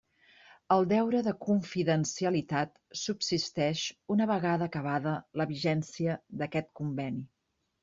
El deure de confidencialitat subsisteix una vegada acabada la vigència d'aquest Conveni.